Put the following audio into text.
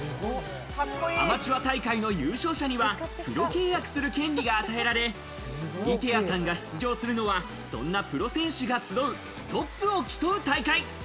アマチュア大会の優勝者にはプロ契約する権利が与えられ、射手矢さんが出場するのは、そんなプロ選手が集うトップを競う大会。